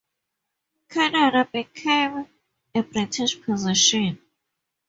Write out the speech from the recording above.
Canada became a British possession.